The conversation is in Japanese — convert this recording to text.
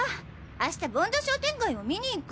明日盆土商店街を見に行く。